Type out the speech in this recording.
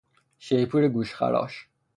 شیپور گوشخراش